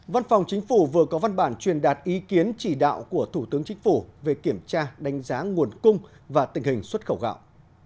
văn phòng chính phủ vừa có văn bản truyền đạt ý kiến chỉ đạo của thủ tướng chính phủ về kiểm tra đánh giá nguồn cung và tình hình xuất khẩu gạo